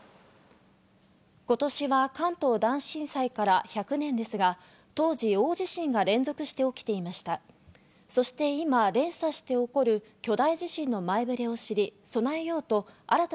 今年は関東大震災から１００年ですが、当時、大地震が連続して起きていました。